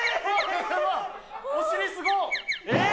お尻、すごっ。